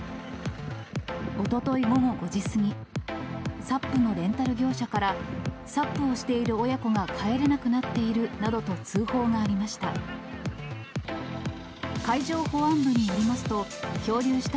おととい午後５時過ぎ、サップのレンタル業者からサップをしている親子が帰れなくなっているなどと通報がありました。